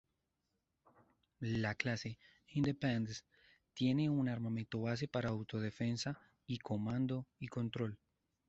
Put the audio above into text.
La clase "Independence" tiene un armamento base para autodefensa y comando y control.